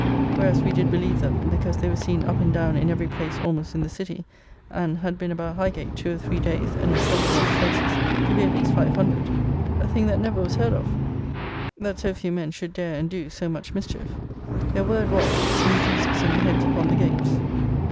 Whereas we did believe them (because they were seen up and down in every place almost in the City, and had been about Highgate two or three days, and in several other places) to be at least 500. A thing that never was heard of, that so few men should dare and do so much mischief. Their word was, "The King Jesus, and the heads upon the gates."